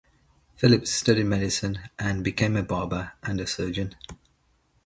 Philips studied medicine, and became a barber and a surgeon.